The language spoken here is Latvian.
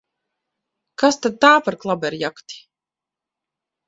Kas tad tā par klaberjakti!